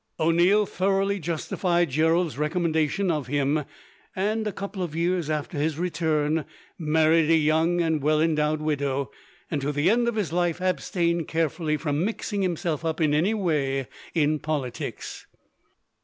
O'Neil thoroughly justified Gerald's recommendation of him, and, a couple of years after his return, married a young and well endowed widow; and, to the end of his life, abstained carefully from mixing himself up, in any way, in politics.